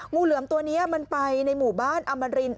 งูเหลือมตัวนี้มันไปในหมู่บ้านอมริน